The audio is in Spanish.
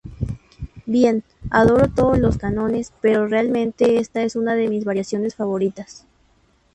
Bien, adoro todos los cánones pero realmente esta es una de mis variaciones favoritas.